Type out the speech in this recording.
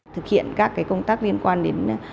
thực hiện các cái công tác liên quan đến